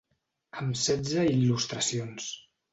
Amb setze il·lustracions.